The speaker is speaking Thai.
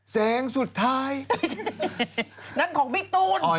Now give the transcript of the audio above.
แสงสุดท้าย